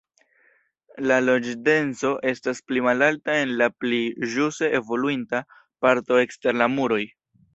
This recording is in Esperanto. La loĝdenso estas pli malalta en la pli ĵuse evoluinta parto ekster la muroj.